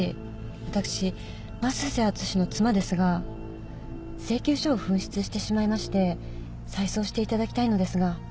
私升瀬淳史の妻ですが請求書を紛失してしまいまして再送していただきたいのですが。